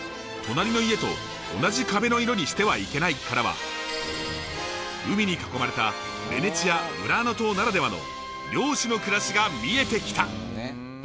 「隣の家と同じ壁の色にしてはいけない」からは海に囲まれたベネチア・ブラーノ島ならではの漁師の暮らしが見えてきた！